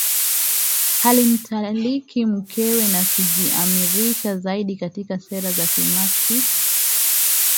alimtaliki mkewe na kujiimarisha zaidi katika sera za kimaxist